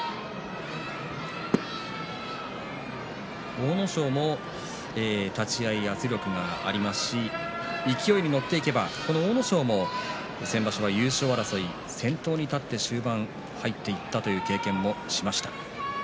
阿武咲も立ち合い圧力がありますし勢いに乗っていけば阿武咲も先場所優勝争いの先頭に立って、終盤に入っていったという経験をしました。